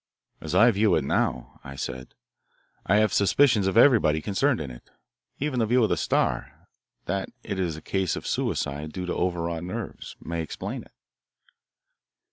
"As I view it now," I said, "I have suspicions of everybody concerned in it. Even the view of the Star, that it is a case of suicide due to overwrought nerves, may explain it."